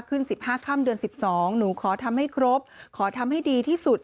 ขึ้น๑๕ค่ำเดือน๑๒หนูขอทำให้ครบขอทำให้ดีที่สุด